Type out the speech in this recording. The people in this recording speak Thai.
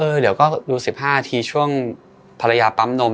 เดี๋ยวก็ดู๑๕นาทีช่วงภรรยาปั๊มนม